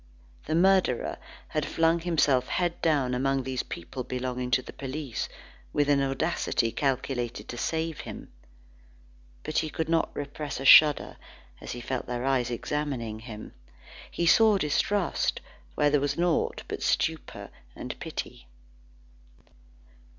The murderer had flung himself head down among these people belonging to the police, with an audacity calculated to save him. But he could not repress a shudder as he felt their eyes examining him. He saw distrust where there was naught but stupor and pity.